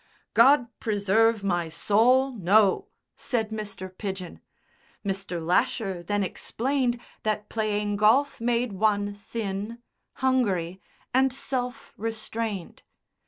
"God preserve my soul! No!" said Mr. Pidgen. Mr. Lasher then explained that playing golf made one thin, hungry and self restrained.